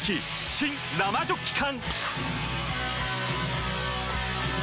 新・生ジョッキ缶！